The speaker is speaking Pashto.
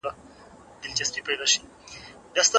د بنسټیزو اړتیاوو پوره کول مهم دي.